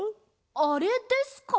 あれですか？